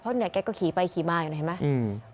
เพราะเนี่ยแกก็ขี่ไปขี่มาอยู่เห็นไหม